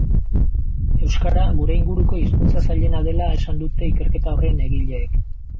Euskara gure inguruko hizkuntza zailena dela esan dute ikerketa horren egileek.